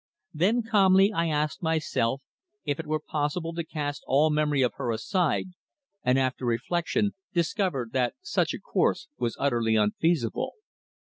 Then calmly I asked myself if it were possible to cast all memory of her aside, and after reflection discovered that such a course was utterly unfeasible.